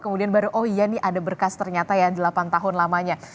kemudian baru oh iya ini ada berkas ternyata ya delapan tahun lamanya